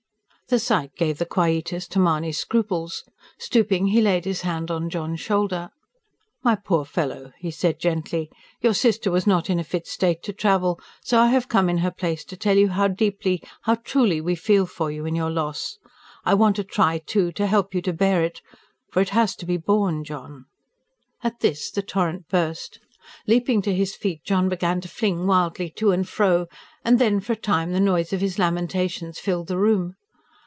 The sight gave the quietus to Mahony's scruples. Stooping, he laid his hand on John's shoulder. "My poor fellow," he said gently. "Your sister was not in a fit state to travel, so I have come in her place to tell you how deeply, how truly, we feel for you in your loss. I want to try, too, to help you to bear it. For it has to be borne, John." At this the torrent burst. Leaping to his feet John began to fling wildly to and fro; and then, for a time, the noise of his lamentations filled the room.